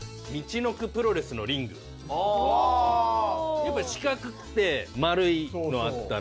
・やっぱ四角くて丸いのあったら。